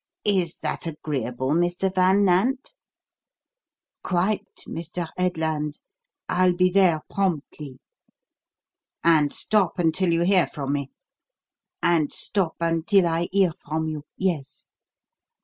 Is that agreeable, Mr. Van Nant?" "Quite, Mr. Headland. I'll be there promptly." "And stop until you hear from me?" "And stop until I hear from you yes."